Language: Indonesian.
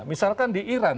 misalkan di iran